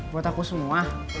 buat aku semua